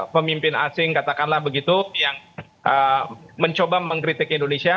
pemimpin asing katakanlah begitu yang mencoba mengkritik indonesia